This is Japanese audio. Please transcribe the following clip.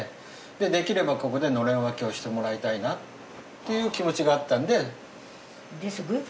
できればここでのれん分けをしてもらいたいなっていう気持ちがあったんで。